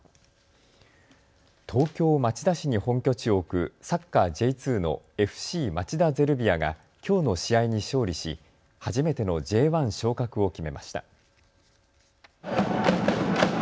東京町田市に本拠地を置くサッカーＪ２のＦＣ町田ゼルビアがきょうの試合に勝利し初めてのＪ１昇格を決めました。